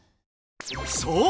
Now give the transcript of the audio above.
そう！